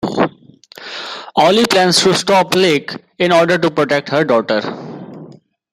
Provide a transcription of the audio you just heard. Oly plans to stop Lick in order to protect her daughter.